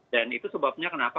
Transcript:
dan itu sebabnya kenapa